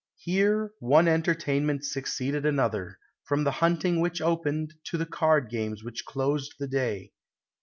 Here one entertainment succeeded another, from the hunting which opened, to the card games which closed the day.